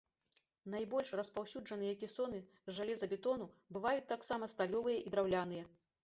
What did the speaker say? Найбольш распаўсюджаныя кесоны з жалезабетону, бываюць таксама сталёвыя і драўляныя.